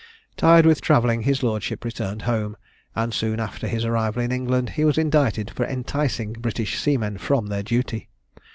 Tired with travelling, his lordship returned home, and soon after his arrival in England he was indicted for enticing British seamen from their duty.